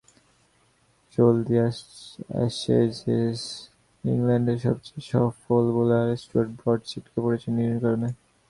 চলতি অ্যাশেজে ইংল্যান্ডের সবচেয়ে সফল বোলার স্টুয়ার্ট ব্রড ছিটকে পড়েছেন ইনজুরির কারণে।